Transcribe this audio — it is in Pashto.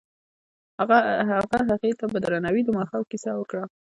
هغه هغې ته په درناوي د ماښام کیسه هم وکړه.